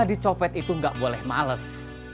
tadi copet itu gak boleh males